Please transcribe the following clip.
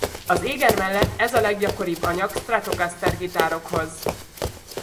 Az éger mellett ez a leggyakoribb anyag Stratocaster gitárokhoz.